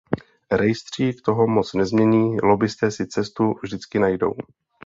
Rejstřík toho moc nezmění, lobbisté si cestu vždycky najdou.